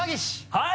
はい！